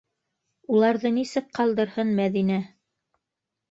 Уларҙы нисек ҡалдырһын Мәҙинә?